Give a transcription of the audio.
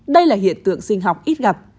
đây là hiện tượng sinh học ít gặp